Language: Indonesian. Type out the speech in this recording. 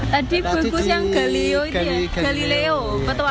tadi bagus yang galileo petualangan galileo itu berapa